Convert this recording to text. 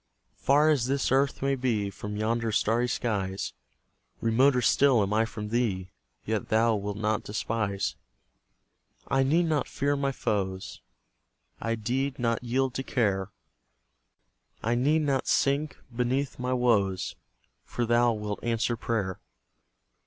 Far as this earth may be From yonder starry skies; Remoter still am I from Thee: Yet Thou wilt not despise. I need not fear my foes, I deed not yield to care; I need not sink beneath my woes, For Thou wilt answer prayer.